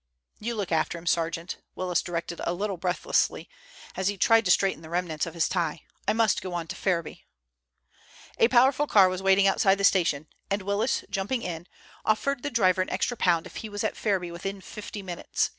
"You look after him, sergeant," Willis directed a little breathlessly, as he tried to straighten the remnants of his tie. "I must go on to Ferriby." A powerful car was waiting outside the station, and Willis, jumping in, offered the driver an extra pound if he was at Ferriby within fifty minutes.